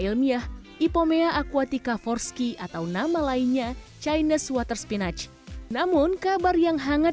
dunia ipomea aquatica forsci atau nama lainnya china's water spinach namun kabar yang hangat